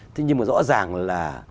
thế nhưng mà rõ ràng là